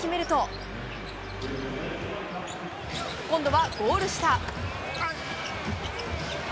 今度は、ゴール下。